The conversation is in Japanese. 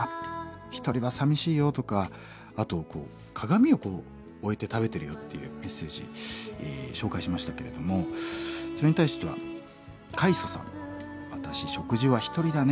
一人はさみしいよとかあとこう鏡を置いて食べてるよっていうメッセージ紹介しましたけれどもそれに対してはカイゾさん「私食事は一人だね。